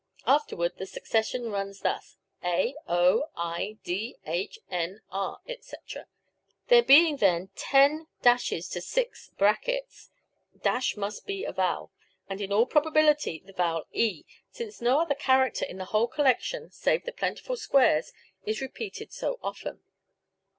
Afterward the succession runs thus a, o, i d, h, n, r, etc. There being then ten [ ]'s to six <'s [] must be a vowel, and in all probability the vowel e, as no other character in the whole collection, save the plentiful squares, is repeated so often.